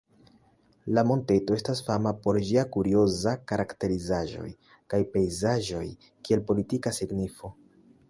La monteto estas fama por ĝia kurioza karakterizaĵoj kaj pejzaĝoj, kiel politika signifo.